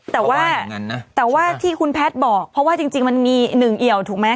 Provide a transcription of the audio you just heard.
แต่ว่าแต่ว่าที่คุณแพทย์บอกเพราะว่าจริงมันมีหนึ่งเอี่ยวถูกไหม